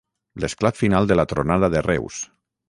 L'esclat final de la tronada de Reus.